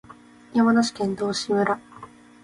山梨県道志村